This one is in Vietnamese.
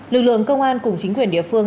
lực lượng công an cùng chính quyền địa phương